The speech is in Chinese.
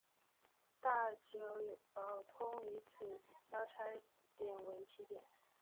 大久保通以此交差点为起点。